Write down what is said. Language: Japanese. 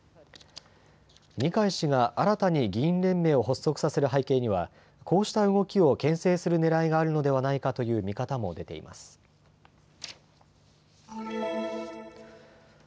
二階氏が新たに議員連盟を発足させる背景にはこうした動きをけん制するねらいがあるのではないかという見方も出ています。